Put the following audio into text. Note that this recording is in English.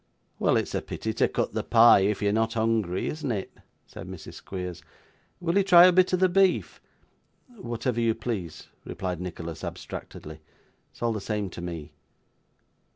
Well, it's a pity to cut the pie if you're not hungry, isn't it?' said Mrs. Squeers. 'Will you try a bit of the beef?' 'Whatever you please,' replied Nicholas abstractedly; 'it's all the same to me.